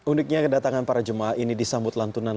uniknya kedatangan para jemaah ini disambut lantunan